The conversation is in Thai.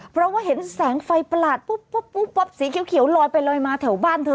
เพราะว่าเห็นแสงไฟประหลาดปุ๊บสีเขียวลอยไปลอยมาแถวบ้านเธอ